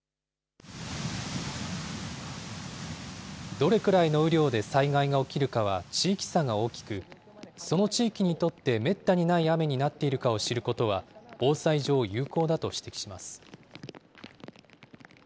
どれくらいの雨量で災害が起きるかは地域差が大きく、その地域にとってめったにない雨になっているかを知ることは、防災上、有効だと指摘します。